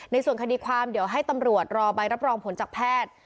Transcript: ส่วนคดีความเดี๋ยวให้ตำรวจรอใบรับรองผลจากแพทย์